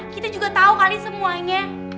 kita juga tahu kali semuanya